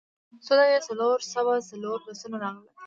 څو دانې څلور سوه څلور بسونه راغلل.